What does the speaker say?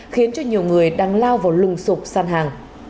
khiến cho nhiều người đang lao vào lùng sụp săn hàng